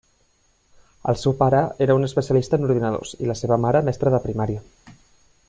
El seu pare era un especialista en ordinadors i la seva mare mestra de primària.